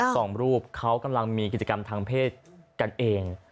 สองรูปเขากำลังมีกิจกรรมทางเพศกันเอง